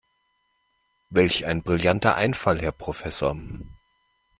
Welch ein brillanter Einfall, Herr Professor!